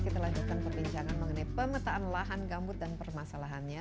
kita lanjutkan perbincangan mengenai pemetaan lahan gambut dan permasalahannya